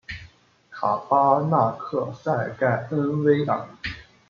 卡巴纳克塞盖恩维尔。